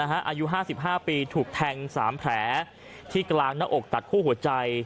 อายุ๕๕ปีถูกแทง๓แผลที่กลางหน้าอกตัดคู่หัวใจ